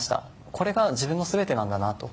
これが自分の全てなんだと。